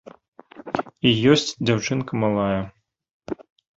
І ёсць дзяўчынка малая.